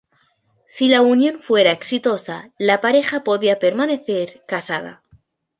Si la unión fuera exitosa la pareja podía permanecer casada.